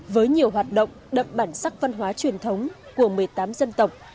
với nhiều hoạt động đậm bản sắc văn hóa truyền thống của một mươi tám dân tộc